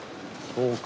そうか。